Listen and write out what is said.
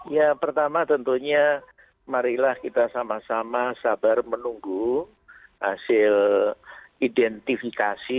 ya pertama tentunya marilah kita sama sama sabar menunggu hasil identifikasi